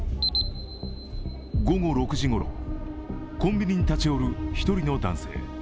午後６時ごろ、コンビニに立ち寄る１人の男性。